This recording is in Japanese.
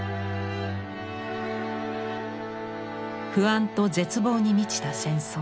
不安と絶望に満ちた戦争。